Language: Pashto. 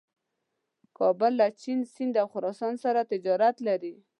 کابل له چین، سیند او خراسان سره تجارت لري.